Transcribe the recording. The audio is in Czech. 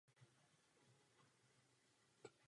Mají dceru Michaelu.